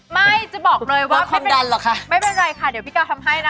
ไม่จะบอกเลยว่าไม่เป็นไรค่ะเดี๋ยวพี่ก้าวทำให้นะ